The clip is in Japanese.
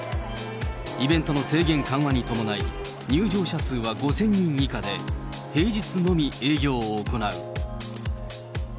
イベントの制限緩和に伴い、入場者数は５０００人以下で、平日のみ営業を行う。